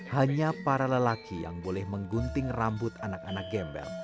hanya para lelaki yang boleh menggunting rambut anak anak gembel